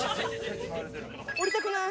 降りたくない！